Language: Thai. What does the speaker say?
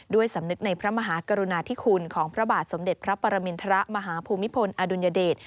สำนึกในพระมหากรุณาธิคุณของพระบาทสมเด็จพระปรมินทรมาฮภูมิพลอดุลยเดช